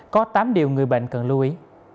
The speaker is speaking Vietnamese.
có tám điều người bệnh cần lưu ý